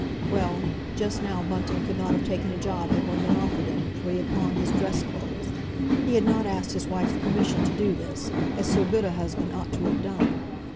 Well, just now Bunting could not have taken a job had one been offered him, for he had pawned his dress clothes. He had not asked his wife's permission to do this, as so good a husband ought to have done.